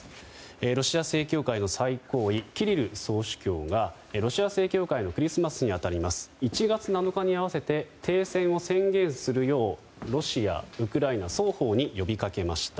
ロシア正教会の最高位キリル総主教が、ロシア正教会のクリスマスに当たる１月７日に合わせて停戦を宣言するようロシア、ウクライナ双方に呼びかけました。